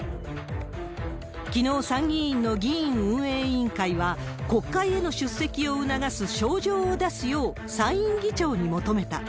きのう、参議院の議院運営委員会は、国会への出席を促す招状を出すよう、参院議長に求めた。